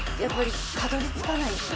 やっぱりたどり着かない。